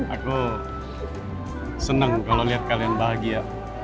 aku senang kalau lihat kalian bahagia